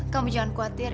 kamu jangan khawatir